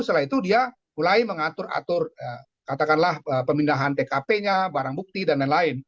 setelah itu dia mulai mengatur atur katakanlah pemindahan tkp nya barang bukti dan lain lain